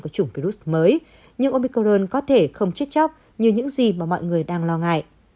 của chủng virus mới nhưng omicorn có thể không chết chóc như những gì mà mọi người đang lo ngại